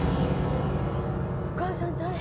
お母さん大変。